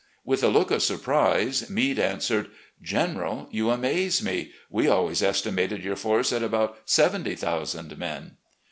With a look of surprise, Meade answered: "General, you amaze me; we always estimated your force at about seventy thousand men."